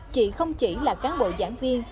chị không chỉ là cán bộ giảng viên